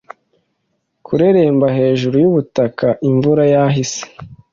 Kureremba hejuru yubutaka imvura yahise